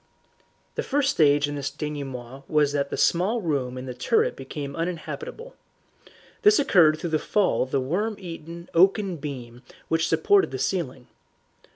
The first stage in this denouement was that the small room in the turret became uninhabitable. This occurred through the fall of the worm eaten oaken beam which supported the ceiling.